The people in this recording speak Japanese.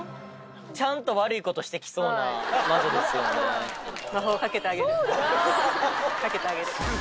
ちゃんと悪いことしてきそう魔法かけてあげる。